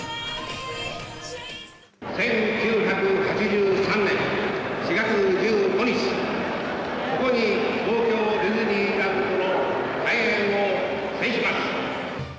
１９８３年４月１５日、ここに東京ディズニーランドの開園を宣します。